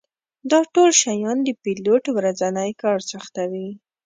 دا ټول شیان د پیلوټ ورځنی کار سختوي